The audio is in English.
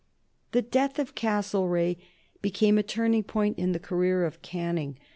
The death of Castlereagh became a turning point in the career of Canning.